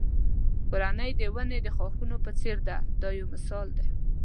کورنۍ د ونې د ښاخونو په څېر ده دا یو مثال دی.